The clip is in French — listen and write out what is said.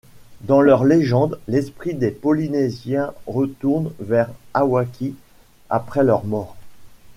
Dans leurs légendes, l'esprit des Polynésiens retourne vers Hawaiki après leur mort.